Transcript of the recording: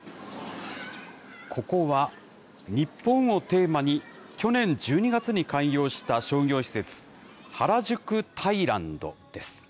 ここは、日本をテーマに、去年１２月に開業した商業施設、ハラジュク・タイランドです。